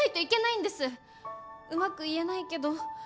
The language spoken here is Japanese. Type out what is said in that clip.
うまく言えないけど。